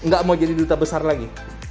gak mau jadi duta besar lagi